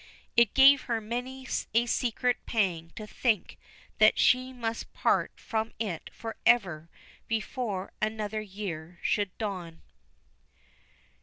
It gave her many a secret pang to think that she must part from it for ever before another year should dawn.